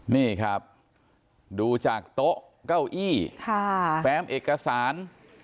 นี่ครับดูจากโต๊ะเก้าอี้แฟมเอกสาร